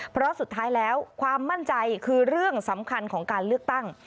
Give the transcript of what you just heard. เพราะสุดท้ายแล้วความมั่นใจคือเรื่องสำคัญของการเลือกตั้ง